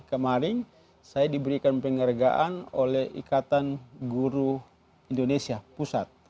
kemarin saya diberikan penghargaan oleh ikatan guru indonesia pusat